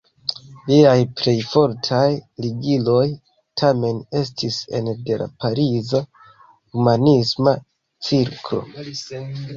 Liaj plej fortaj ligiloj, tamen, estis ene de la pariza humanisma cirklo.